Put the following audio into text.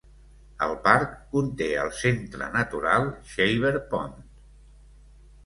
El parc conté el centre natural Shaver Pond.